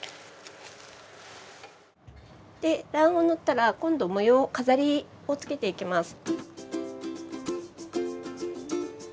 卵黄塗ったら今度模様飾りをつけていきます。